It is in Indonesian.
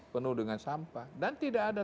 penuh dengan sampah dan tidak ada